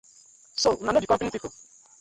So una no be compani people?